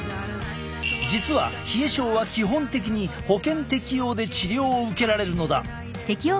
実は冷え症は基本的に保険適用で治療を受けられるのだ。